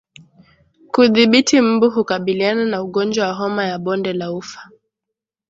Kudhibiti mbu hukabiliana na ugonjwa wa homa ya bonde la ufa